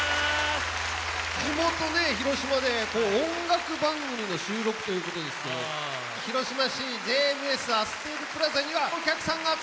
地元ね広島で音楽番組の収録ということですけど広島市ＪＭＳアステールプラザにはお客さんが集まっています！